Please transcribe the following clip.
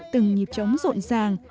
từng nhịp trống rộn ràng